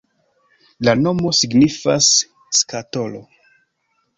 La nomo signifas skatolo.